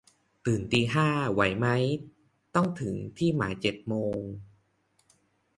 ตื่นตีห้า ไหวไหม ต้องถึงที่หมายเจ็ดโมง